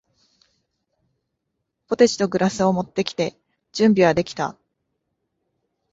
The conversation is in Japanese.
ポテチとグラスを持ってきて、準備はできた。